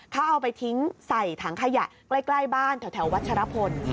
เขาเอาไปทิ้งใส่ถังขยะใกล้บ้านแถววัชรพล